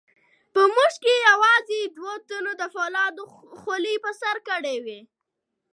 په موږ کې یوازې دوو تنو د فولادو خولۍ په سر کړې وې.